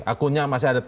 akunnya masih ada